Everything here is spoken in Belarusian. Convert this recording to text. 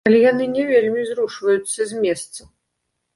Але яны не вельмі зрушваюцца з месца.